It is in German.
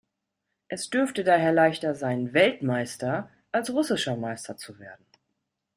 Es dürfte daher leichter sein Weltmeister als russischer Meister zu werden.